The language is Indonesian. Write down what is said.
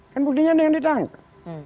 kan buktinya ada yang ditangkap